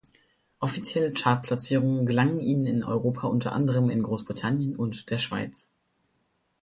Offizielle Chartplatzierungen gelangen ihnen in Europa unter anderem in Großbritannien und der Schweiz.